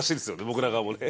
僕ら側もね。